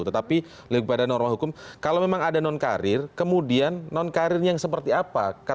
tetapi lebih kepada norma hukum kalau memang ada non karir kemudian non karirnya yang seperti apa